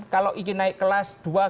kalau ingin naik kelas dua